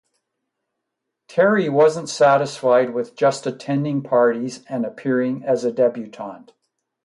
Terry wasn't satisfied with just attending parties and appearing as a debutante.